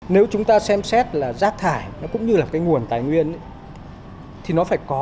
nếu chúng ta xem xét là rác thải cũng như là nguồn tài nguyên thì nó phải có